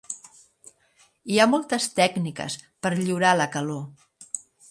Hi ha moltes tècniques per lliurar la calor.